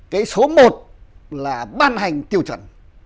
cái số một là ban hành tiêu chuẩn